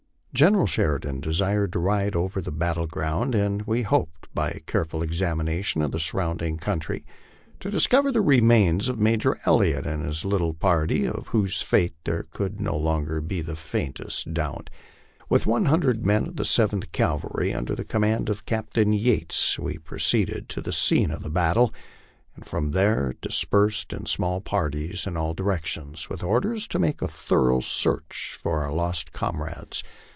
General Sheridan desired to ride over the battle ground, and we hoped by a careful examination of the surrounding country to discover the remains of Major El liott and his little party, of whose fate there could no longer be the faintest doubt. With one hundred men of the Seventh Cavalry, under command of Captain Yates, we proceeded to the scene of the battle, and from there dis persed in small parties in all directions, with orders to make a thorough search for our lost comrades.